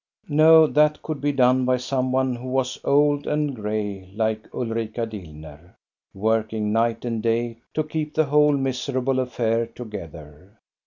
No, that could be done by some one who was old and gray like Ulrika Dillner, working night and day to keep the whole miserable affair together.